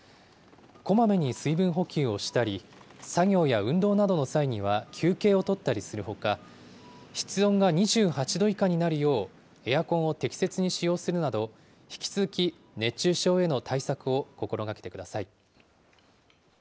こまめに水分補給をしたり、作業や運動の際などには、休憩をとったりするほか、室温が２８度以下になるようエアコンを適切に使用するなど、引き続き熱中症への対策を心がけてください。